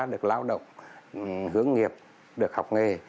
được lao động hướng nghiệp được học nghề